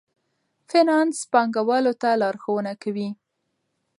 فینانس پانګوالو ته لارښوونه کوي.